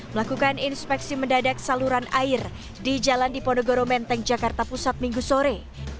melakukan inspeksi mendadak saluran air di jalan diponegoro menteng jakarta pusat minggu sore